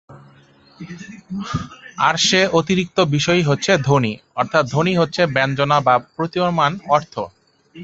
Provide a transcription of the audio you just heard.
আর সে অতিরিক্ত বিষয়ই হচ্ছে ধ্বনি, অর্থাৎ ‘ধ্বনি’ হচ্ছে ব্যঞ্জনা বা প্রতীয়মান অর্থ।